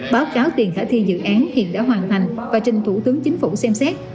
báo cáo tiền khả thi dự án hiện đã hoàn thành và trình thủ tướng chính phủ xem xét